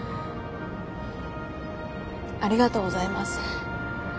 ありがとうございます。